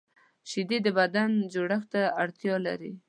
شیدې د بدن جوړښت ته اړتیا لري